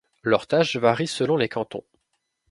Leurs tâches varient selon les cantons.